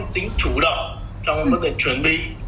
tính chủ động trong bất kỳ chuẩn bị